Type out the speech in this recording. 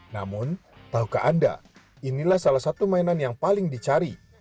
namun tahukah anda inilah salah satu mainan yang paling dicari